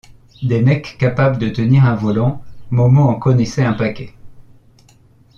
Des mecs capables de tenir un volant, Momo en connaissait un paquet.